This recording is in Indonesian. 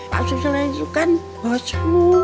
pak susilo itu kan bosmu